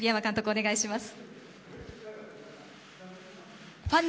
お願いします。